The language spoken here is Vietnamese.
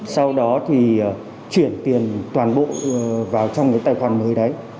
sau đó thì chuyển tiền toàn bộ vào trong cái tài khoản mới đấy